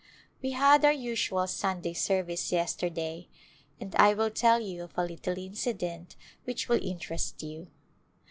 We had our usual Sunday service yesterday and I will tell you of a little incident vv^hich will interest you.